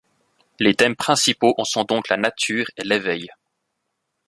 Les thèmes principaux en sont donc la nature, et l'Éveil.